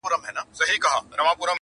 ما دا څه عمرونه تېر کړله بېځایه٫